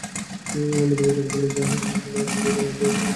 এরই মধ্যে বিচারপতি মির্জা হোসেইন হায়দার আপিল বিভাগে নিয়োগ পেয়ে গেছেন।